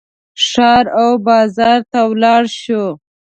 ښار او بازار ته ولاړ شو.